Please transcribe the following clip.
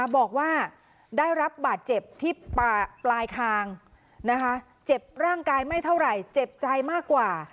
บอกว่าได้รับบาดเจ็บที่ปลายคางเจ็บร่างกายไม่เท่าไหร่เจ็บใจมากกว่า